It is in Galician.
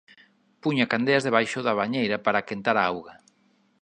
Puña candeas debaixo da bañeira para quentar a auga.